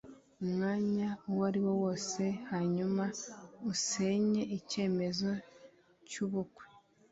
umwanya uwariwo wose hanyuma usenye icyemezo cyubukwe